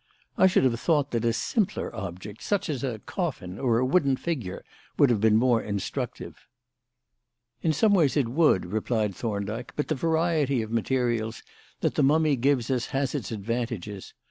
I should have thought that a simpler object, such as a coffin or a wooden figure, would have been more instructive." "In some ways it would," replied Thorndyke, "but the variety of materials that the mummy gives us has its advantages.